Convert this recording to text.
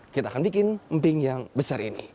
kita akan bikin emping yang besar ini